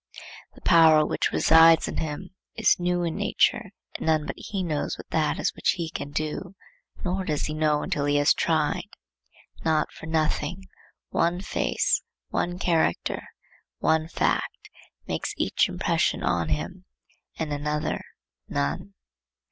The power which resides in him is new in nature, and none but he knows what that is which he can do, nor does he know until he has tried. Not for nothing one face, one character, one fact, makes much impression on him, and another none.